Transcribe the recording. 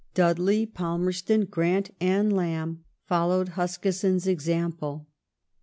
Dudley, Palmerston, Grant, and Lamb followed Huskisson's example.